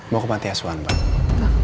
mau ke matiaswan pak